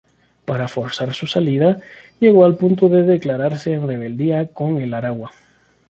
Para forzar su salida, llegó al punto de declararse en rebeldía con el Aragua.